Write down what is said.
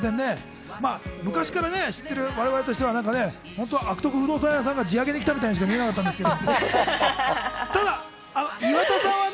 昔から知っている我々としては悪徳不動産屋さんが地上げにきたようにしか見えなかったんですけど。